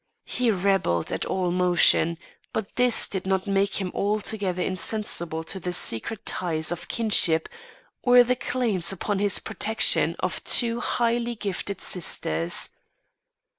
He rebelled at all monition; but this did not make him altogether insensible to the secret ties of kinship, or the claims upon his protection of two highly gifted sisters.